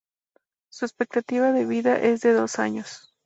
Su expectativa de vida es de dos años.